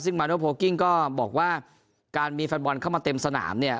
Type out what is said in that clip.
ซึ่งมาโนโพลกิ้งก็บอกว่าการมีแฟนบอลเข้ามาเต็มสนามเนี่ย